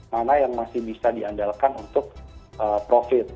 mana yang masih bisa diandalkan untuk profit